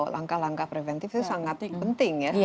langkah langkah preventif itu sangat penting ya